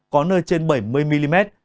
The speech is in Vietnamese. có nơi trên bảy mươi mm